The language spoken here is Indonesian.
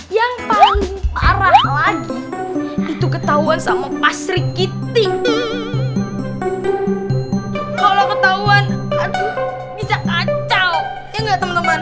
yang paling parah lagi itu ketauan sama pasri kita ketahuan bisa kacau nggak teman teman